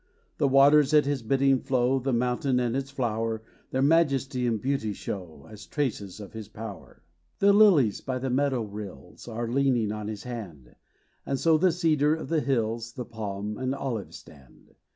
The waters at his bidding flow, The mountain and its flower Their majesty and beauty show, As traces of his power. The lilies by the meadow rills Are leaning on his hand; And so the cedar of the hills, The palm and olive stand.